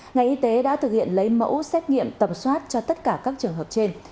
ngành y tế đã thực hiện lấy mẫu xét nghiệm tầm soát cho tất cả các trường hợp trên